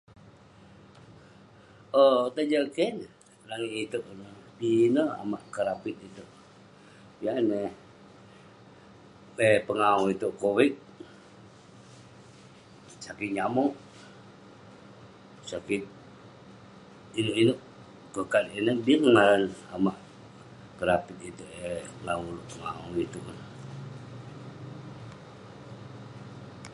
Auk, tajak keh neh langit itouk ineh. Pinek amak kerapit itouk, yan neh eh pengawu itouk ; covid, sakit nyamog, sakit inouk-inouk. Kokat ineh bi neh ngaran amak kerapit itouk erei, ngan ulouk pengawu itouk ineh.